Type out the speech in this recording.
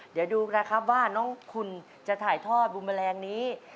เดี๋ยวดูนะครับว่าน้องคุณจะถ่ายทอดบุญแมลงนี้